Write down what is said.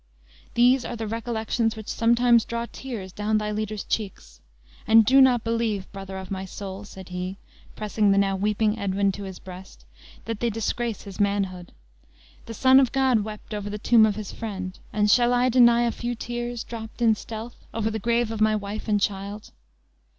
These are the recollections which sometimes draw tears down thy leader's cheeks. And do not believe, brother of my soul," said he, pressing the now weeping Edwin to his breast, "that they disgrace his manhood. The Son of God wept over the tomb of his friend; and shall I deny a few tears, dropped in stealth, over the grave of my wife and child?"